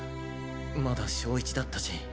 まだ小１だったし。